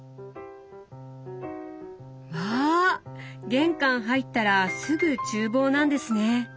わ玄関入ったらすぐ厨房なんですね。